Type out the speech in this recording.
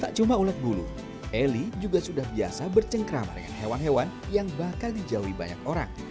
tak cuma ulat bulu eli juga sudah biasa bercengkrama dengan hewan hewan yang bakal dijauhi banyak orang